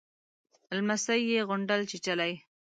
_لمسۍ يې ده، غونډل چيچلې.